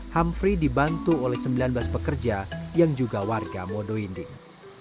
hamfri dibantu oleh sembilan belas pekerja yang juga warga modo inding